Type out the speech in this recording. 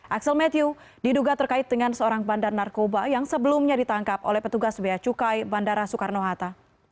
axel matthew diduga terkait dengan seorang bandar narkoba yang sebelumnya ditangkap oleh petugas bea cukai bandara soekarno hatta